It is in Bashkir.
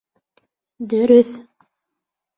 Дөрөҫ